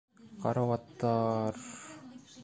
Карауаттар...